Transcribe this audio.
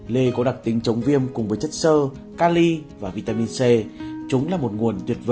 lê có đặc tính chống viêm cùng với chất sơ cali và vitamin c